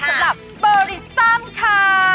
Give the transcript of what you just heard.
สำหรับเบอร์อีก๓ค่ะ